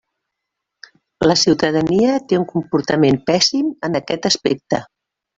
La ciutadania té un comportament pèssim en aquest aspecte.